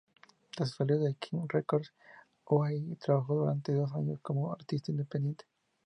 Tras su salida de King Records, Aoi trabajó durante dos años como artista independiente.